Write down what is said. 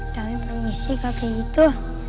kami permisi kaki gitu